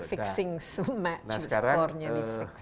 fixing match skornya di fix